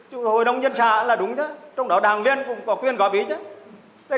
hội đồng nhân trả là đúng chứ trong đó đảng viên cũng có quyền góp ý chứ